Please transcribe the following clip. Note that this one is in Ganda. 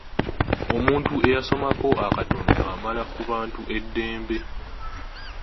Omuntu eyasomako akatono amala ku bantu eddembe.